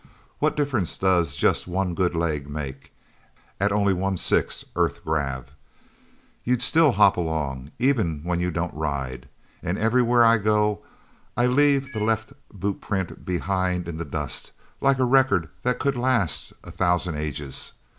What difference does just one good leg make at only one sixth Earth grav? You still hop along, even when you don't ride. And everywhere I go, I leave that left boot print behind in the dust, like a record that could last a thousand ages.